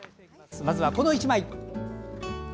まずはこの１枚。